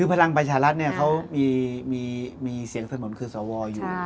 พลังประชารัฐเขามีเสียงของสวรรค์อยู่